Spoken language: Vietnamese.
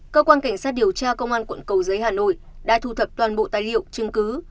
cơ quan cảnh sát điều tra công an quận cầu giấy hà nội đã thu thập toàn bộ tài liệu chứng cứ